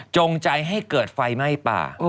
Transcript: จงใจให้เกิดไฟไหม้ป่า